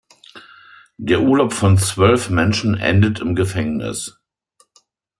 Der Urlaub von zwölf Menschen endete im Gefängnis.